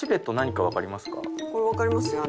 これわかりますよ。